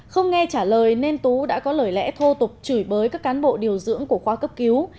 không nghe trả lời nên tú đã có lời lẽ thô tục chửi bới các cán bộ điều dưỡng của khoa cấp cứu